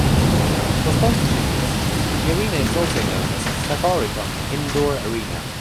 For sponsorship reasons, the arena is also known as Safaricom Indoor Arena.